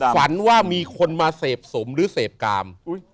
ฝันว่ามีคนมาเสพสมหรือเสพกาม